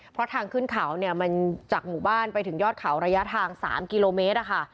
เพราะทางขึ้นเขาเนี่ยมันจากหมู่บ้านไปถึงยอดเขาระยะทาง๓กิโลเมตรอะค่ะ